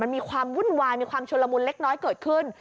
มันมีความวุ่นวายมีความชุลมุนเล็กน้อยเกิดขึ้น